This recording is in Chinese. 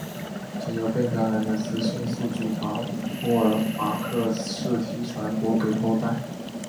仅由被感染的雌性宿主把沃尔巴克氏体传播给后代。